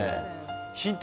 ヒント